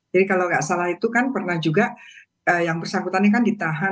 jadi kalau nggak salah itu kan pernah juga yang bersangkutannya kan ditahan